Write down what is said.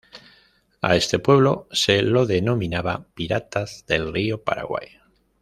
A este pueblo se lo denominaba "piratas del río Paraguay".